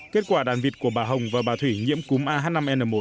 kết quả đàn vịt của bà hồng và bà thủy nhiễm cúm ah năm n một